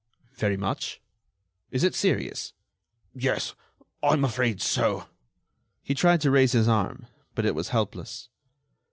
"Very much?... Is it serious?" "Yes, I am afraid so." He tried to raise his arm, but it was helpless.